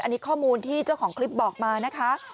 อันนี้ข้อมูลที่เจ้าของคลิปบอกมานะคะ